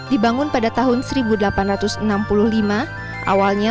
dibangun pada tahun seribu delapan ratus enam puluh lima awalnya